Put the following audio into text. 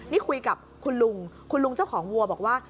นี่คุยกับคุณลุงคุณลุงเจ้าของวัวบอกว่า